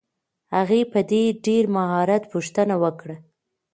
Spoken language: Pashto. هغې په ډېر مهارت پوښتنه وکړه.